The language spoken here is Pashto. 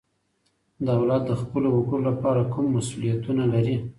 دولت د خپلو وګړو لپاره کوم مسؤوليتونه لري؟